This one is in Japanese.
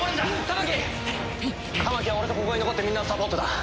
玉置は俺とここに残ってみんなのサポートだ。